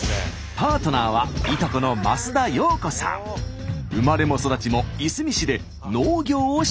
パートナーはいとこの生まれも育ちもいすみ市で農業をしています。